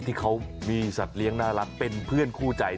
ที่เขามีสัตว์เลี้ยงน่ารักเป็นเพื่อนคู่ใจ